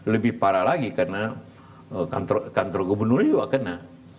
lebih parah lagi karena kantor gubernur juga kena